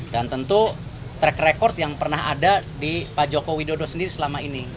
dan tentu track record yang pernah ada di pak jokowi dodo sendiri selama ini